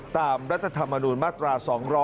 รัฐธรรมนูญมาตรา๒๗